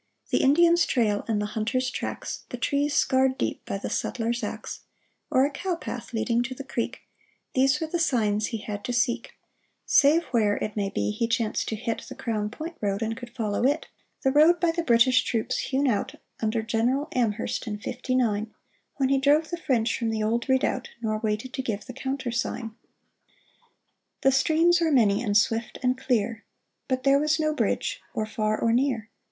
The Indian's trail and the hunter's tracks, The trees scarred deep by the settler's axe, Or a cow path leading to the creek, — These were the signs he had to seek ; Save where, it may be, he chanced to hit The Crown Point road and could follow it— The road by the British troops hewn out Under General Amherst in fifty nine, When he drove the French from the old redoubt, Nor waited to give the countersign ! The streams were many and swift and clear ; But there was no bridge, or far or near.